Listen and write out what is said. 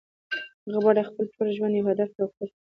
هغه غواړي خپل ټول ژوند يو هدف ته وقف کړي.